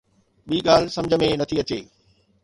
ٻي ڳالهه سمجھ ۾ نٿي اچي.